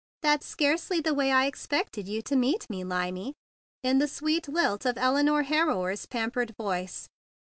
"That's scarcely the way I expected you to meet me, Lyme," in the sweet lilt of Elinore Harrower's petted voice.